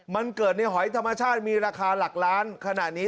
มันเกิดในหอยธรรมชาติมีราคาหลักล้านขนาดนี้